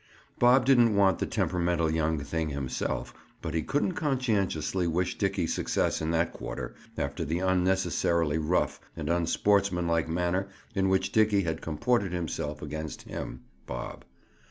Bob didn't want the temperamental young thing himself, but he couldn't conscientiously wish Dickie success in that quarter, after the unnecessarily rough and unsportsmanlike manner in which Dickie had comported himself against him (Bob).